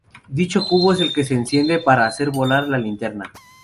Dicho cubo es el que se enciende para hacer volar la linterna.